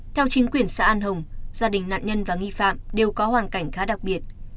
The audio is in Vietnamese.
theo chính quyền xã an hồng gia đình nạn nhân và nghi phạm đều có hoàn cảnh khá đặc biệt